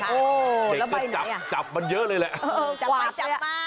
โอ้แล้วไปไหนอ่ะ